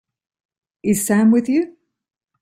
Is Sam with you?